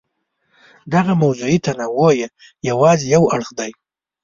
دغه موضوعي تنوع یې یوازې یو اړخ دی.